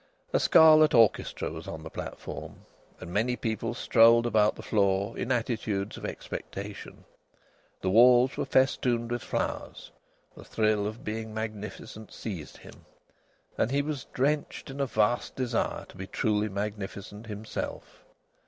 A scarlet orchestra was on the platform, and many people strolled about the floor in attitudes of expectation. The walls were festooned with flowers. The thrill of being magnificent seized him, and he was drenched in a vast desire to be truly magnificent himself.